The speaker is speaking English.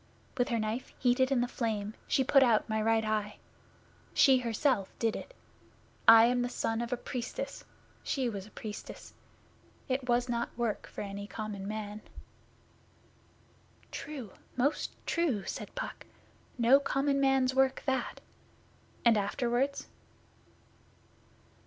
With her knife heated in the flame she put out my right eye. She herself did it. I am the son of a Priestess. She was a Priestess. It was not work for any common man.' 'True! Most true,' said Puck. 'No common man's work that. And, afterwards?